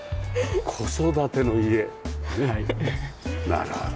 なるほど。